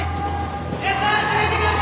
皆さん逃げてください！